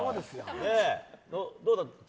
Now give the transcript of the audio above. どうだった？